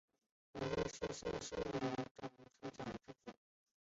濡须吴氏四世吴景昭之长子。